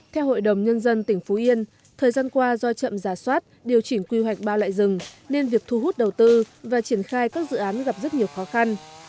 theo hội đồng nhân dân tỉnh phú yên thời gian qua do chậm giả soát điều chỉnh quy hoạch ba loại rừng nên việc thu hút đầu tư và triển khai các dự án gặp rất nhiều khó khăn